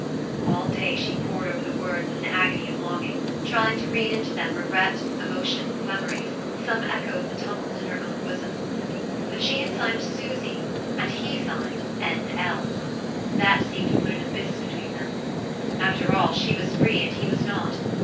All day she pored over the words in an agony of longing, trying to read into them regret, emotion, memories, some echo of the tumult in her own bosom. But she had signed "Susy," and he signed "N.L." That seemed to put an abyss between them. After all, she was free and he was not.